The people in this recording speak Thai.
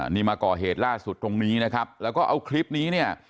นี่มาก่อเหตุล่าสุดตรงนี้นะครับแล้วก็เอาคลิปนี้เนี่ย